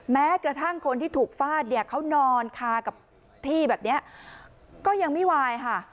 แม้กระทั่งคนที่ถูกฟาดเนี่ยเขานอนคากับที่แบบเนี้ยก็ยังไม่วายค่ะ